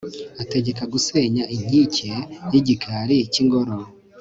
ategeka gusenya inkike y'igikari cy'ingoro